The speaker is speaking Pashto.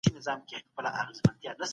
د یتیمانو سرپرستي او مرسته وکړئ.